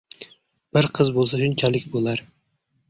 Bir qiz bo‘lsa shunchalik bo‘lar.